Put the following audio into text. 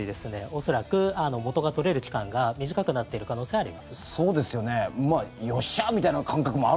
恐らく、元が取れる期間が短くなっている可能性はあります。